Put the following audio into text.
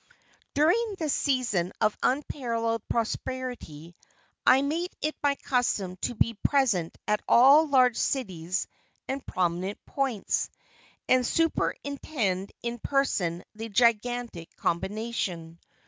During this season of unparalleled prosperity, I made it my custom to be present at all large cities and prominent points, and superintend in person the gigantic combination.